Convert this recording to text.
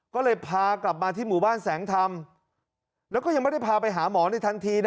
ก็เลยพากลับมาที่หมู่บ้านแสงธรรมแล้วก็ยังไม่ได้พาไปหาหมอในทันทีนะ